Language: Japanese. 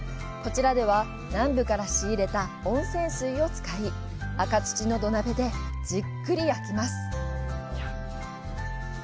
こちらでは南部から仕入れた温泉水を使い赤土の土鍋でじっくりと炊きます。